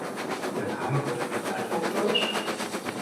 Der Name wird von ahd.